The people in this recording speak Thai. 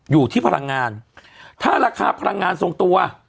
อยู่ที่พลังงานถ้าราคาพลังงานทรงตัว